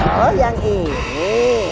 oh yang ini